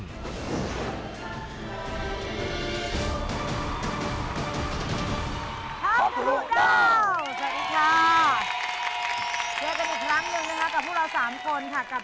สวัสดีค่ะเจอกันอีกครั้งนะครับ